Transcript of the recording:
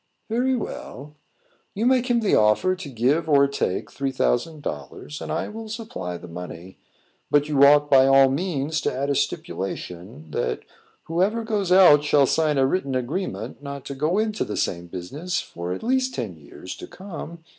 "Very well. You make him the offer to give or take three thousand dollars, and I will supply the money. But you ought, by all means, to add a stipulation, that whoever goes out shall sign a written agreement not to go into the same business for at least ten years to come.